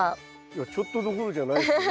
いやちょっとどころじゃないですよね。